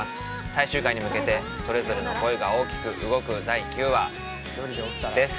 最終回に向けて、それぞれの恋が大きく動く第９話。